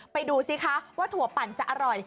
ดูสิคะว่าถั่วปั่นจะอร่อย